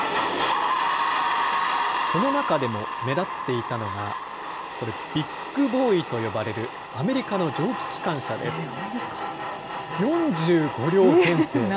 その中でも目立っていたのが、これ、ビッグボーイと呼ばれる、アメリカの蒸気機関車です。